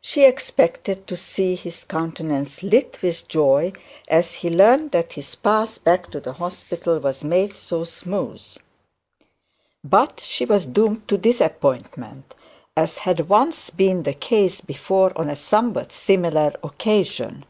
She expected to see his countenance lit up with joy as he learnt that his path back to the hospital was made so smooth; but she was doomed to disappointment, as had once been the case before on a somewhat similar occasion.